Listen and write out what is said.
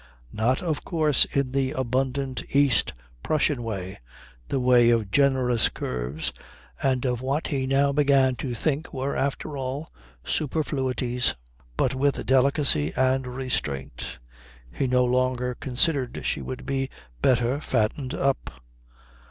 Not of course in the abundant East Prussian way, the way of generous curves and of what he now began to think were after all superfluities, but with delicacy and restraint. He no longer considered she would be better fattened up.